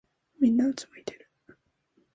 みんなうつむいてる。